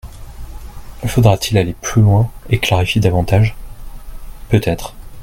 Faudra-t-il aller plus loin et clarifier davantage ? Peut-être.